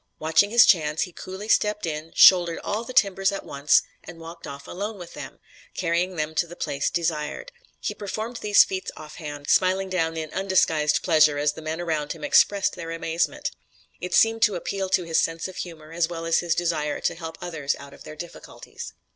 Watching his chance, he coolly stepped in, shouldered all the timbers at once and walked off alone with them, carrying them to the place desired. He performed these feats off hand, smiling down in undisguised pleasure as the men around him expressed their amazement. It seemed to appeal to his sense of humor as well as his desire to help others out of their difficulties.